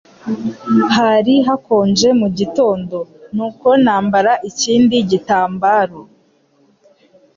Hari hakonje mugitondo, nuko nambara ikindi gitambaro.